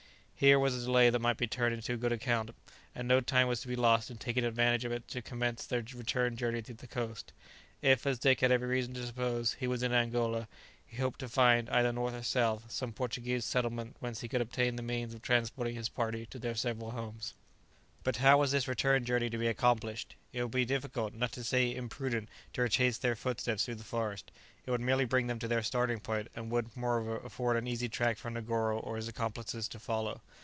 Here was a delay that might be turned to good account, and no time was to be lost in taking advantage of it to commence their return journey to the coast. If, as Dick had every reason to suppose, he was in Angola, he hoped to find, either north or south, some Portuguese settlement whence he could obtain the means of transporting his party to their several homes. But how was this return journey to be accomplished? It would be difficult, not to say imprudent, to retrace their footsteps through the forest; it would merely bring them to their starting point, and would, moreover, afford an easy track for Negoro or his accomplices to follow.